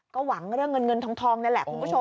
ก็หวังเรื่องเงินเงินทองนี่แหละคุณผู้ชม